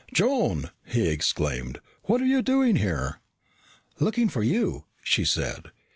"Joan!" he exclaimed. "What are you doing here?" "Looking for you," she said.